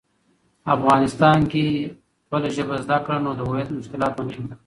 افغانسان کی خپله ژبه زده کړه، نو د هویت مشکلات به نه وي.